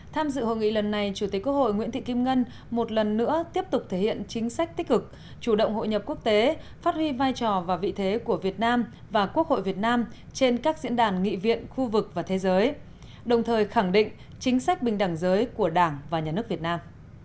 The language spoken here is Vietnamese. tham dự hội nghị lần này chủ tịch quốc hội nguyễn thị kim ngân một lần nữa tiếp tục thể hiện chính sách tích cực chủ động hội nhập quốc tế phát huy vai trò và vị thế của việt nam và quốc hội việt nam trên các diễn đàn nghị viện khu vực và thế giới đồng thời khẳng định chính sách bình đẳng giới của đảng và nhà nước việt nam